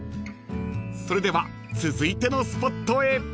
［それでは続いてのスポットへ］